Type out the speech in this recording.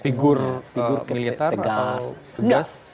figur militer atau tegas